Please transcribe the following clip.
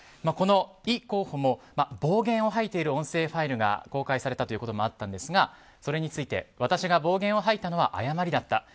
このイ候補も暴言を吐いている音声ファイルが公開されたということもあったんですが、それについて私が暴言を吐いたのは誤りだった。